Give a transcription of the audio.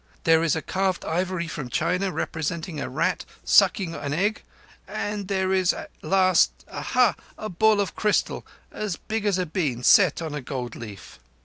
There is a carved ivory from China representing a rat sucking an egg; and there is last—ah ha!—a ball of crystal as big as a bean set on a gold leaf."